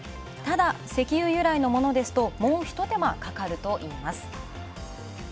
ただ、石油由来のものですと、もうひと手間かかるといいます。